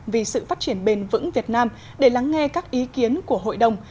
vì sự phát triển bền vững việt nam để lắng nghe các ý kiến của hội đồng